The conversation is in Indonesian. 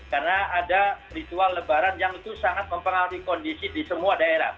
karena ada ritual lebaran yang itu sangat mempengaruhi kondisi di semua daerah